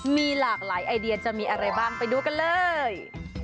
มีหลากหลายไอเดียจะมีอะไรบ้างไปดูกันเลย